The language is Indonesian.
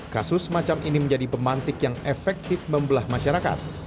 kasus semacam ini menjadi pemantik yang efektif membelah masyarakat